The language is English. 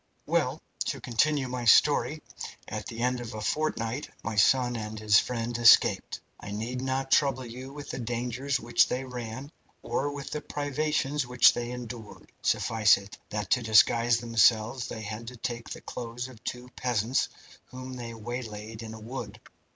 "Well, to continue my story at the end of a fortnight my son and his friend escaped. I need not trouble you with the dangers which they ran, or with the privations which they endured. Suffice it that to disguise themselves they had to take the clothes of two peasants, whom they waylaid in a wood.